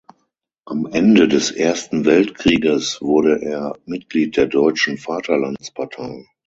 Am Ende des Ersten Weltkrieges wurde er Mitglied der Deutschen Vaterlandspartei.